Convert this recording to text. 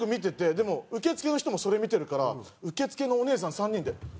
でも受付の人もそれ見てるから受付のお姉さん３人で。